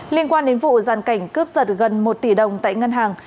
liên quan đến vụ giàn cảnh cướp giật gần một tỷ đồng tại ngân hàng